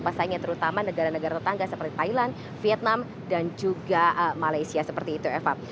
pasalnya terutama negara negara tetangga seperti thailand vietnam dan juga malaysia seperti itu eva